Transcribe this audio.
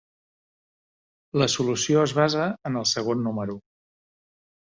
La solució es basa en el segon número.